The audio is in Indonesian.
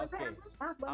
sudah suara saya aman